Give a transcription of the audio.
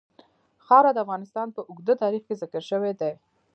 خاوره د افغانستان په اوږده تاریخ کې ذکر شوی دی.